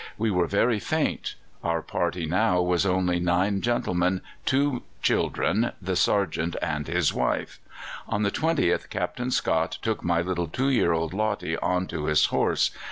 We were very faint. Our party now was only nine gentlemen, two children, the sergeant, and his wife. On the 20th Captain Scott took my little two year old Lottie on to his horse.